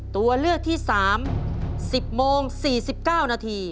ตัวเลือกที่๓๑๐โมง๔๙นาที